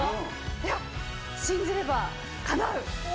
いや、信じればかなう！